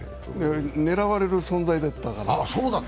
狙われる存在だったから。